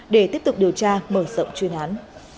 để tiếp tục điều tra mở rộng chuyên án